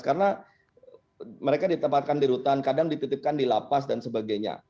karena mereka ditempatkan di rutan kadang dititipkan di lapas dan sebagainya